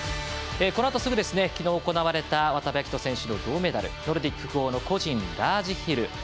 このあとすぐ昨日行われた渡部暁斗選手の銅メダルノルディック複合個人ラージヒル。